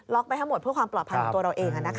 ไปทั้งหมดเพื่อความปลอดภัยของตัวเราเอง